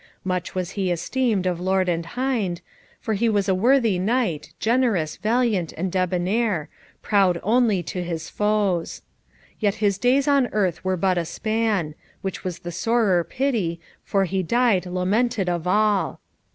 Much was he esteemed of lord and hind, for he was a worthy knight, generous, valiant and debonair, proud only to his foes. Yet his days on earth were but a span, which was the sorer pity, for he died lamented of all.